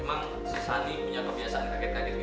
emang si san nih punya kebiasaan kaget kaget gitu ya